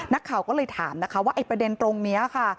นักข่าวก็เลยถามนะคะว่าไอ้ประเด็นตรงนี้ค่ะ